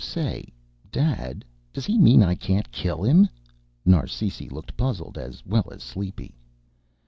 "Say, Dad, does he mean I can't kill him?" Narsisi looked puzzled as well as sleepy.